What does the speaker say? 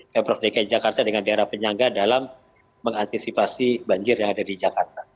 pemprov dki jakarta dengan daerah penyangga dalam mengantisipasi banjir yang ada di jakarta